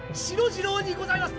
次郎にございます！